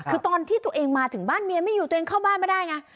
คือตอนที่ตัวเองมาถึงบ้านเมียไม่อยู่ตัวเองเข้าบ้านไม่ได้ไง